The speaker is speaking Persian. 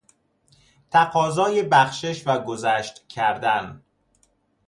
تقاضای بخشش و گذشت کردن